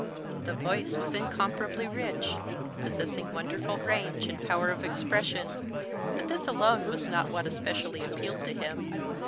The voice was incomparably rich, possessing wonderful range and power of expression, but this alone was not what especially appealed to him.